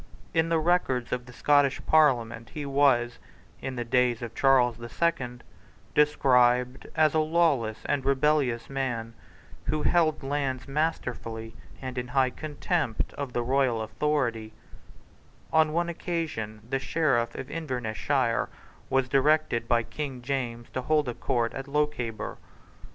In the Records of the Scottish Parliament he was, in the days of Charles the Second, described as a lawless and rebellious man, who held lands masterfully and in high contempt of the royal authority, On one occasion the Sheriff of Invernessshire was directed by King James to hold a court in Lochaber.